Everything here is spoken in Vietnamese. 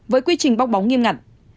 với quy trình bóc bóng nghiêm ngặt